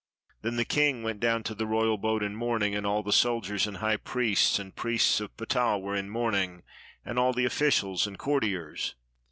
Then the king went down to the royal boat in mourning, and all the sol diers and high priests and priests of Ptah were in mourn ing, and all the officials and courtiers.